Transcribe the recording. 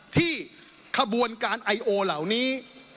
ขบวนการไอโอเหล่านี้